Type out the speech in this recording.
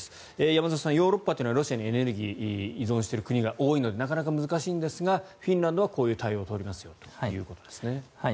山添さん、ヨーロッパはロシアにエネルギーを依存している国が多いのでなかなか難しいんですがフィンランドはこういう対応を取りますよということですね。